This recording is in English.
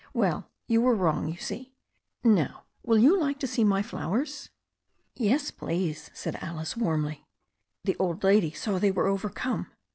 Well, you were wrong, you see. Now, will you like to see my flowers?" "Yes, please," said Alice warmly. The old lady saw they were overcome.